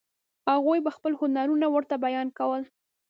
هغوی به خپل هنرونه ورته بیان کول.